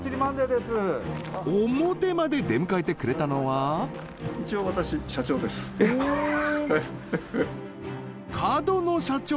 です表まで出迎えてくれたのは一応私社長ですえっ角野社長